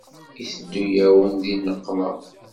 Iteddu-yawen di nneqma.